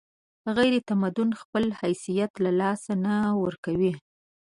غیرتمند خپل حیثیت له لاسه نه ورکوي